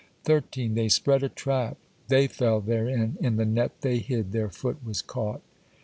13. They spread a trap, they fell therein, in the net they hid their foot was caught.